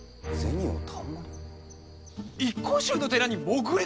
一向宗の寺に潜り込む！？